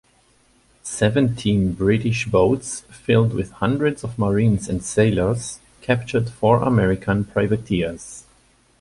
Seventeen British boats filled with hundreds of marines and sailors captured four American privateers.